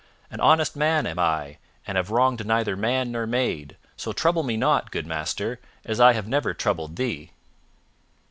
An honest man am I, and have wronged neither man nor maid; so trouble me not, good master, as I have never troubled thee."